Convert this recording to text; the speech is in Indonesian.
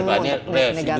ya pokoknya yang negatif